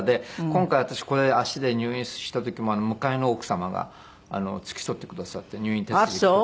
今回私これ足で入院した時も向かいの奥様が付き添ってくださって入院手続きとか。